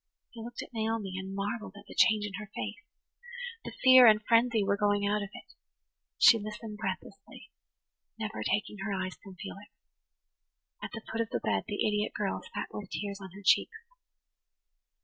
He looked at Naomi and marvelled at the change in her face. The fear and frenzy were going out of it; she listened breathlessly, never taking her eyes from Felix. At the foot of the bed the idiot girl sat with tears on her cheeks.